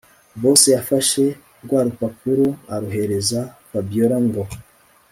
Boss yafashe rwarupapuro aruhereza Fabiora ngo